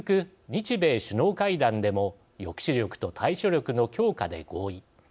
日米首脳会談でも抑止力と対処力の強化で合意。